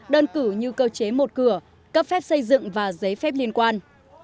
đơn cử như cơ chế một cửa cấp phép xây dựng và giấy phép liên quan